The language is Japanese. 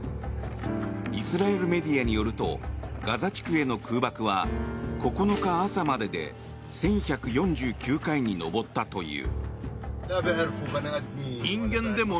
イスラエルメディアによるとガザ地区への空爆は９日朝までで１１４９回に上ったという。